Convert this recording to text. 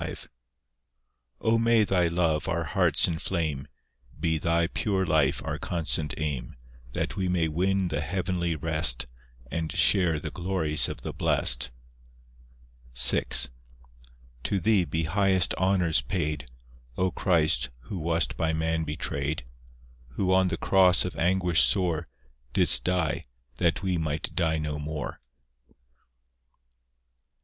V O may Thy Love our hearts inflame; Be Thy pure life our constant aim; That we may win the heavenly rest, And share the glories of the blest. VI To Thee be highest honours paid, O Christ, who wast by man betrayed; Who on the cross of anguish sore Didst die, that we might die no more.